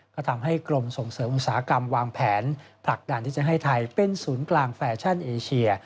ก็ทำให้กรมส่งเสริมอุตสาหกรรมวางแผนผลักดันที่จะให้ไทยเป็นศูนย์กลางแฟชั่นเอเชีย